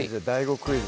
クイズ